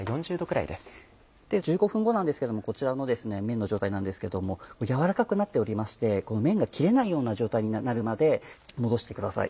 １５分後こちらの麺の状態なんですけど軟らかくなっておりまして麺が切れないような状態になるまで戻してください。